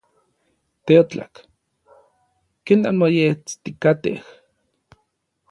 Teotlak. ¿Ken nanmoestikatej?